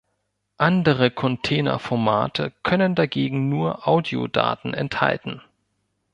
Andere Container-Formate können dagegen nur Audiodaten enthalten.